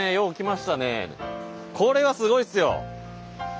これはすごいですよ。